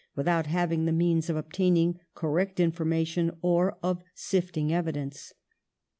. without having the means of obtaining correct information or of sifting evidence